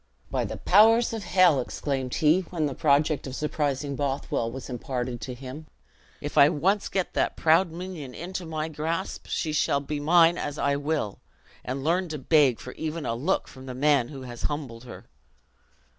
"By the powers of hell," exclaimed he, when the project of surprising Bothwell was imparted to him, "if I once get that proud minion into my grasp, she shall be mine as I will, and learn to beg for even a look from the man who has humbled her!"